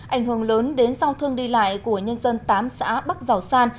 ảnh hưởng lớn đến giao thương đi lại của nhân dân tám xã bắc giảo san